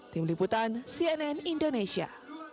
tim liputan cnn indonesia